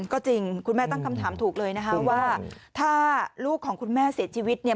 ก็จริงคุณแม่ตั้งคำถามถูกเลยนะคะว่าถ้าลูกของคุณแม่เสียชีวิตเนี่ย